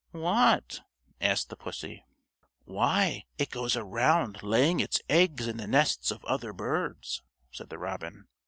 "What?" asked the pussy. "Why it goes around, laying its eggs in the nests of other birds," said the robin.